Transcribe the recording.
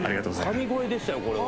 神声でしたよ、これは。